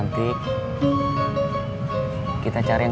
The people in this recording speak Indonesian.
tak kapal juga